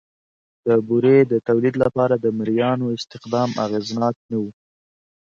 د بورې د تولید لپاره د مریانو استخدام اغېزناک نه و